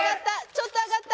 ちょっと上がった！